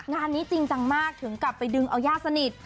งานนี้จริงจังมากถึงกลับไปดึงเอาญาติสนิท